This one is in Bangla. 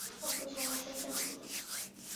ওকে, সমস্যাটা কি?